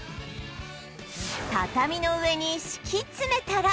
畳の上に敷き詰めたら